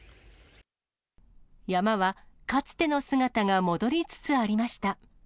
山は、かつての姿が戻りつつありました。